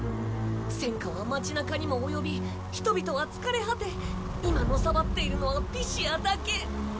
戦火は街中にも及び人々は疲れ果て今のさばっているのはピシアだけ。